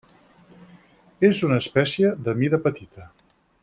És una espècie de mida petita.